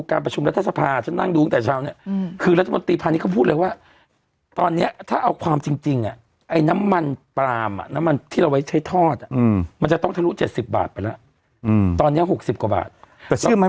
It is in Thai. เขายังไม่ยืนหรือตากบาดกับเธอเยอะอยู่เลย